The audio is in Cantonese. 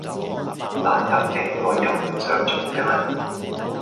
懶得訂枱又唔想出街?